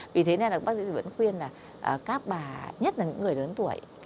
vì thế nên là bác sĩ vẫn khuyên là các bà nhất là những người lớn tuổi